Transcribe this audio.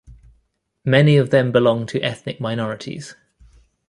Many of them belong to ethnic minorities.